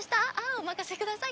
お任せください！